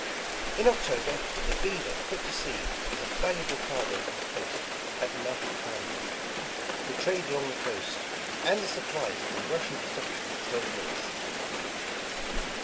In October the Beaver put to sea with a valu able cargo for the post at the mouth of the Columbia, the trade along the coast, and the supplies for the Rus sian establishment further north.